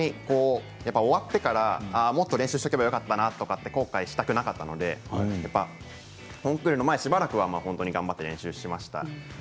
終わってからもっと練習しておけばよかったなとか後悔したくなかったのでコンクールの前しばらくは本当に頑張って練習していました。